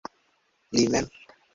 Li mem.